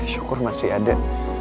syukur masih ada